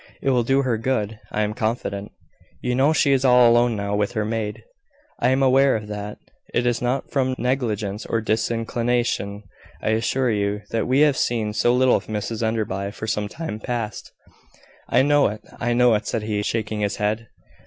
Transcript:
It will do her good, I am confident. You know she is all alone now with her maid." "I am aware of that. It is not from negligence or disinclination, I assure you, that we have seen so little of Mrs Enderby for some time past." "I know it, I know it," said he, shaking his head.